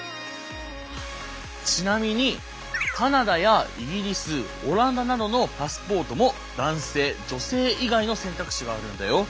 ちなみにカナダやイギリスオランダなどのパスポートも男性女性以外の選択肢があるんだよ。